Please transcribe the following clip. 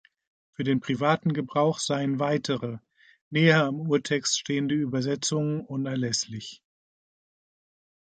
Für den privaten Gebrauch seien weitere, näher am Urtext stehende Übersetzungen unerlässlich.